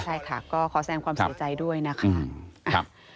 ใช่ค่ะก็ขอแสงความเสียใจด้วยนะคะ